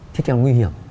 thế theo nguy hiểm